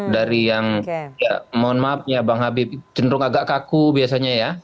dari yang mohon maaf ya bang habib cenderung agak kaku biasanya ya